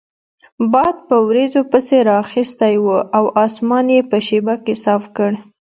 باد په وریځو پسې رااخیستی وو او اسمان یې په شیبه کې صاف کړ.